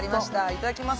いただきます。